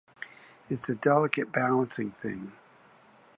It's a delicate balancing thing.